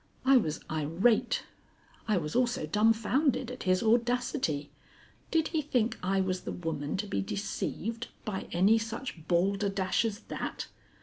I was irate. I was also dumfounded at his audacity. Did he think I was the woman to be deceived by any such balderdash as that?